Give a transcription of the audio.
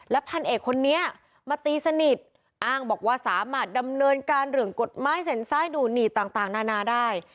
พันเอกคนนี้มาตีสนิทอ้างบอกว่าสามารถดำเนินการเรื่องกฎหมายเซ็นซ้ายดูหนีดต่างนานาได้